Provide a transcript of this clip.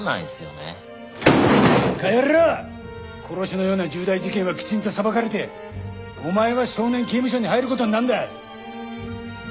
殺しのような重大事件はきちんと裁かれてお前は少年刑務所に入る事になるんだ。